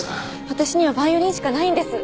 私にはバイオリンしかないんです。